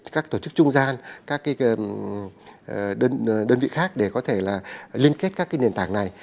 các tổ chức trung gian các đơn vị khác để có thể liên kết các nền tảng này